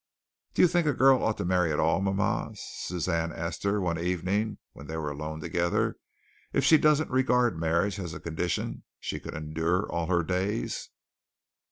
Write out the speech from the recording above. "Do you think a girl ought to marry at all, mama?" Suzanne asked her one evening when they were alone together, "if she doesn't regard marriage as a condition she could endure all her days?"